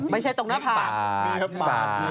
ไม่ใช่ตรงหน้าผ่าน